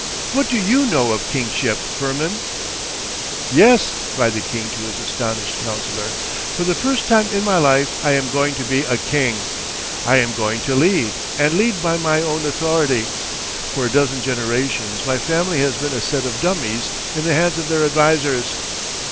—what do you know of kingship, Firmin? 'Yes,' cried the king to his astonished counsellor. 'For the first time in my life I am going to be a king. I am going to lead, and lead by my own authority. For a dozen generations my family has been a set of dummies in the hands of their advisers.